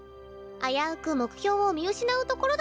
危うく目標を見失うところだったね。